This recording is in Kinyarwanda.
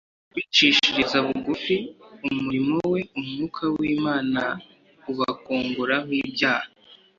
Ku bicishiriza bugufi umurimo we, Umwuka w'Imana ubakongoraho ibyaha.